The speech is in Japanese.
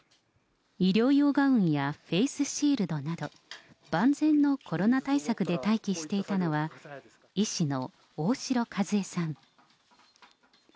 医療用ガウンやフェースシールドなど、万全のコロナ対策で待機していたのは、医師の大城和恵さん。